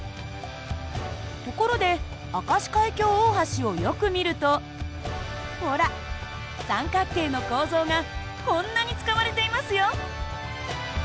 ところで明石海峡大橋をよく見るとほら三角形の構造がこんなに使われていますよ。